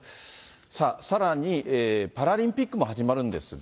さあ、さらにパラリンピックも始まるんですが。